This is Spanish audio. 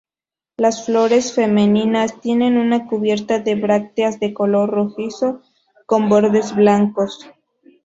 Las flores femeninas tienen una cubierta de brácteas de color rojizo con bordes blancos.